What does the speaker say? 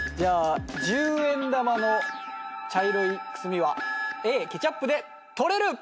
十円玉の茶色いくすみはＡケチャップで取れる。